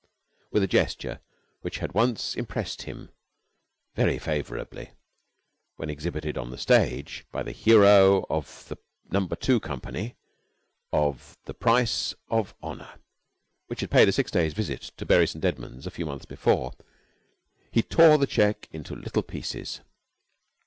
With a gesture which had once impressed him very favorably when exhibited on the stage by the hero of the number two company of "The Price of Honor," which had paid a six days' visit to Bury St. Edwards a few months before, he tore the check into little pieces.